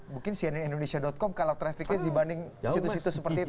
mungkin cnn indonesia com kalah trafficnya dibanding situs situs seperti itu